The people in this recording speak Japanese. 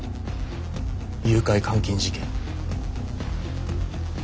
誘拐監禁事件。